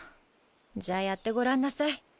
じゃやってごらんなさい。